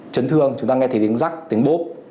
chấn thương chúng ta nghe thấy tiếng rắc tính bốp